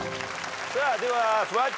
ではフワちゃん。